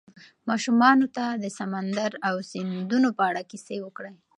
ماشومانو ته د سمندر او سیندونو په اړه کیسې وکړئ.